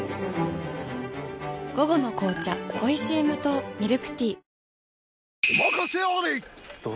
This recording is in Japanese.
午後の紅茶おいしい無糖ミルクティー